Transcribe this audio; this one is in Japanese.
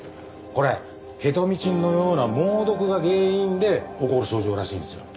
これケトミチンのような猛毒が原因で起こる症状らしいんですよ。